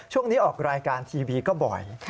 ช่วงนี้ออกรายการทีวีก็บ่อย